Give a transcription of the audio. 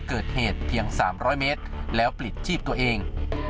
เกิดเหตุเพียง๓๐๐เมตรแล้วปลิดชีพตัวเอง